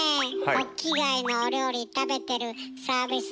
ホッキガイのお料理食べてるサービス